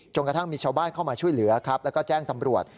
กระทั่งมีชาวบ้านเข้ามาช่วยเหลือครับแล้วก็แจ้งตำรวจ